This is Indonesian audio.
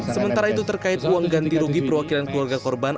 sementara itu terkait uang ganti rugi perwakilan keluarga korban